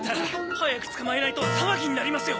早く捕まえないと騒ぎになりますよ。